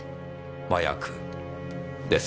麻薬ですか。